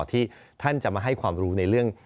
ที่ท่านจะมาให้ความรู้ในเรื่อง